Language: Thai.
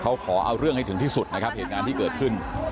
เขาขอเอาเรื่องให้ถึงที่สุดนะครับเหตุการณ์ที่เกิดขึ้น